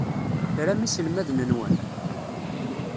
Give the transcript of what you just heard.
Tram iselmaden-nwen?